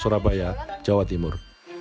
surabaya jawa timur